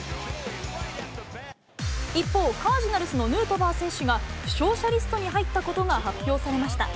一方、カージナルスのヌートバー選手が、負傷者リストに入ったことが発表されました。